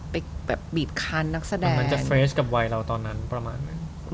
ไปแบบบีบคันนักแสดงมันจะเฟรสกับวัยเราตอนนั้นประมาณนั้น